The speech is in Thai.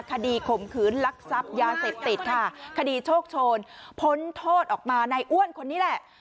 ข่มขืนลักทรัพย์ยาเสพติดค่ะคดีโชคโชนพ้นโทษออกมาในอ้วนคนนี้แหละ